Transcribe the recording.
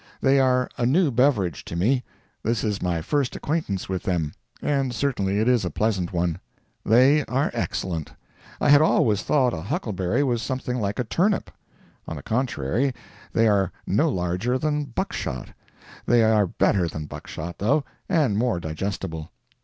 They are a new beverage to me. This is my first acquaintance with them, and certainly it is a pleasant one. They are excellent. I had always thought a huckleberry was something like a turnip. On the contrary, they are no larger than buckshot. They are better than buckshot, though, and more digestible.